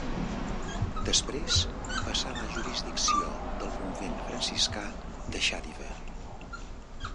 Després passà a la jurisdicció del convent franciscà de Xàtiva.